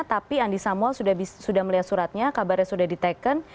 tapi andi samuel sudah melihat suratnya kabarnya sudah diteken